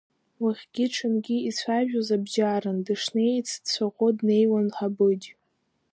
Уахгьы ҽынгьы ицәажәоз абџьарын, дышнеиц дцәаӷәо днеиуан Ҳабыџь.